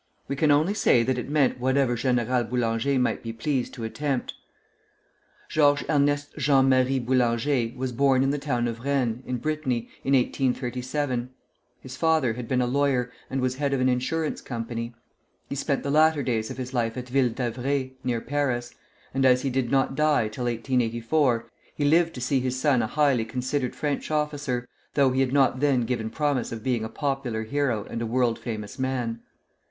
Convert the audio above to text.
We can only say that it meant whatever General Boulanger might be pleased to attempt. George Ernest Jean Marie Boulanger was born in the town of Rennes, in Brittany, in 1837. His father had been a lawyer, and was head of an insurance company. He spent the latter days of his life at Ville d'Avray, near Paris; and as he did not die till 1884, he lived to see his son a highly considered French officer, though he had not then given promise of being a popular hero and a world famous man.